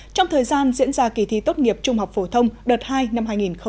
trong thời gian diễn ra kỳ thi tốt nghiệp trung học phổ thông đợt hai năm hai nghìn hai mươi